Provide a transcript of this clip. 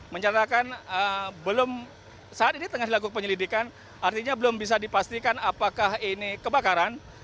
mencatakan belum saat ini tengah dilakukan penyelidikan artinya belum bisa dipastikan apakah ini kebakaran